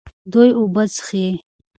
دوی اوبه څښي.